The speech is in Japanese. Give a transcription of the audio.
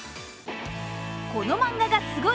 「このマンガがすごい！